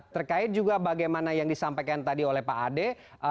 terkait juga bagaimana yang disampaikan tadi oleh pak ade